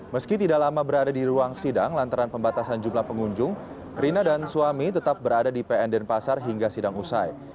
meski tidak lama berada di ruang sidang lantaran pembatasan jumlah pengunjung rina dan suami tetap berada di pn denpasar hingga sidang usai